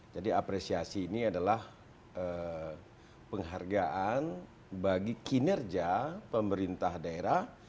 jadi apresiasi ini adalah penghargaan bagi kinerja pemerintah daerah